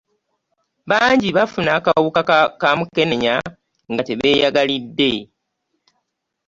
Bangi baafuna akawuka ka mukenenya nga tebeyagalide.